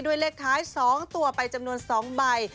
เลขท้าย๒ตัวไปจำนวน๒ใบ